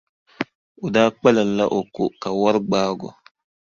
O daa kpalimla o ko, ka wari gbaagi o.